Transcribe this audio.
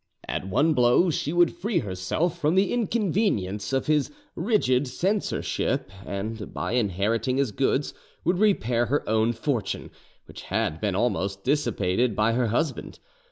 At one blow she would free herself from the inconvenience of his rigid censorship, and by inheriting his goods would repair her own fortune, which had been almost dissipated by her husband.